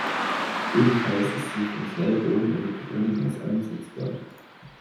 Ebenfalls ist sie von Schnellbooten oder Drohnen aus einsetzbar.